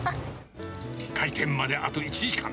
開店まであと１時間。